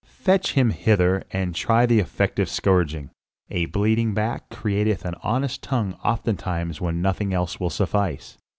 "Fetch him hither, and try the effect of a scourging. A bleeding back createth an honest tongue oftentimes when nothing else will suffice."